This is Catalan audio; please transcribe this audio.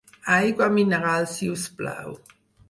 Aigua mineral, si us plau!